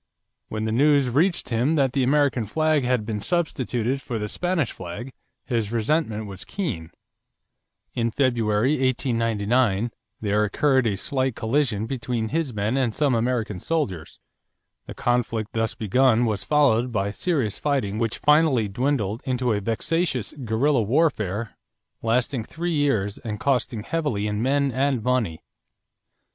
When the news reached him that the American flag had been substituted for the Spanish flag, his resentment was keen. In February, 1899, there occurred a slight collision between his men and some American soldiers. The conflict thus begun was followed by serious fighting which finally dwindled into a vexatious guerrilla warfare lasting three years and costing heavily in men and money.